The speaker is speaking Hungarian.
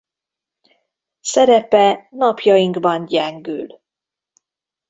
Szerepe napjainkban gyengül.